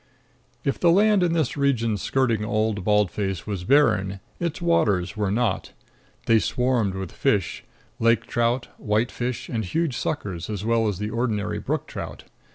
If the land in this region skirting Old Bald Face was barren, its waters were not. They swarmed with fish lake trout, white fish, and huge suckers, as well as the ordinary brook trout.